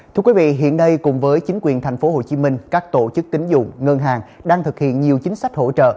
thưa quý vị hiện nay cùng với chính quyền thành phố hồ chí minh các tổ chức tính dụng ngân hàng đang thực hiện nhiều chính sách hỗ trợ